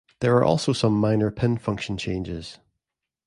There are also some minor pin function changes.